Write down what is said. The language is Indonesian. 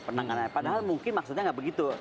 penanganannya padahal mungkin maksudnya nggak begitu